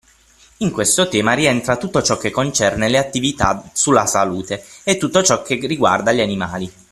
In questo tema rientra tutto ciò che concerne le attività sulla salute e tutto ciò che riguarda gli animali.